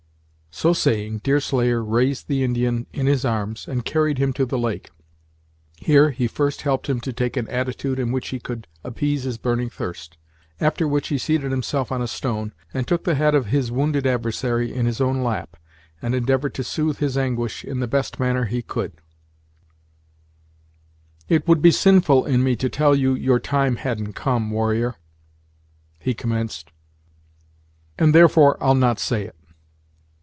So saying, Deerslayer raised the Indian in his arms, and carried him to the lake. Here he first helped him to take an attitude in which he could appease his burning thirst; after which he seated himself on a stone, and took the head of his wounded adversary in his own lap, and endeavored to soothe his anguish in the best manner he could. "It would be sinful in me to tell you your time hadn't come, warrior," he commenced, "and therefore I'll not say it.